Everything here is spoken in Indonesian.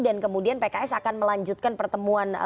dan kemudian pks akan melanjutkan pertemuan